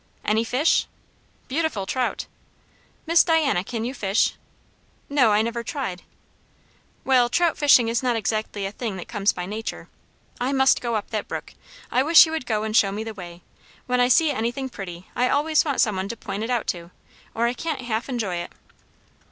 "Any fish?" "Beautiful trout." "Miss Diana, can you fish?" "No. I never tried." "Well, trout fishing is not exactly a thing that comes by nature. I must go up that brook. I wish you would go and show me the way. When I see anything pretty, I always want some one to point it out to, or I can't half enjoy it."